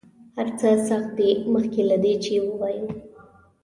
هر څه سخت دي مخکې له دې چې ووایو.